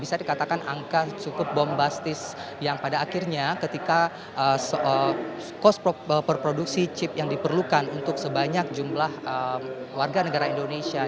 bisa dikatakan angka cukup bombastis yang pada akhirnya ketika kos perproduksi chip yang diperlukan untuk sebanyak jumlah warga negara indonesia